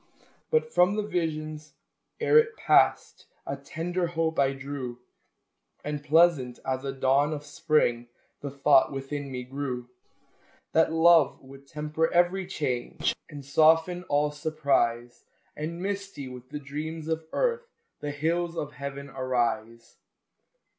But from the vision ere it passed A tender hope I drew, And, pleasant as a dawn of spring, The thought within me grew, That love would temper every change, And soften all surprise, And, misty with the dreams of earth, The hills of Heaven arise.